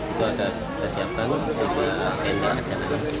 itu agak sudah siapkan untuk entah